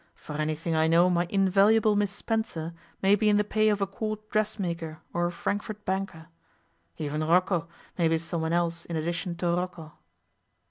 For anything I know my invaluable Miss Spencer may be in the pay of a court dressmaker or a Frankfort banker. Even Rocco may be someone else in addition to Rocco.